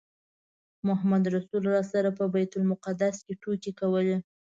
محمدرسول راسره په بیت المقدس کې ټوکې کولې.